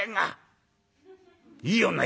「いい女。